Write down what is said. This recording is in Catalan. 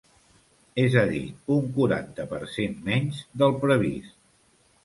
És a dir, un quaranta per cent menys del previst.